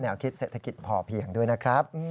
คิดเศรษฐกิจพอเพียงด้วยนะครับ